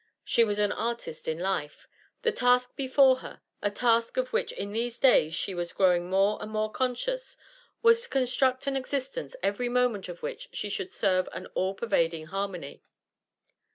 She was an artist in life. The task before her, a task of which in these days she was growing more and more conscious, was to construct an existence every moment of which should serve an all pervading harmony.